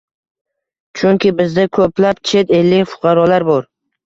Chunki bizda koʻplab chet yellik fuqarolar bor